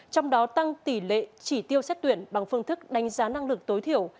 trong đó tăng tỷ lệ chỉ tiêu xét tuyển bằng phương thức đánh giá năng lực tối thiểu